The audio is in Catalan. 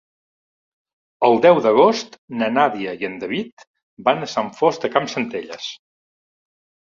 El deu d'agost na Nàdia i en David van a Sant Fost de Campsentelles.